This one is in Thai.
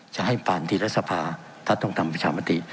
จะให้ผ่านที่รัฐสภาท่านต้องทำประชามติ